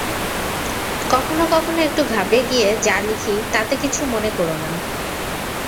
কখনও কখনও একটু ঘাবড়ে গিয়ে যা লিখি, তাতে কিছু মনে কর না।